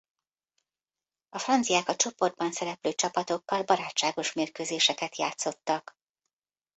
A franciák a csoportban szereplő csapatokkal barátságos mérkőzéseket játszottak.